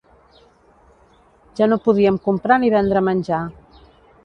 Ja no podíem comprar ni vendre menjar.